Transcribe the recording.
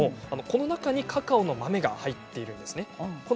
この中にカカオの豆が入っているんですね。